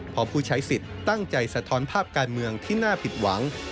พอผู้ใช้สิทธิ์ตั้งใจสะท้อนภาพการเมืองที่น่าผิดหวัง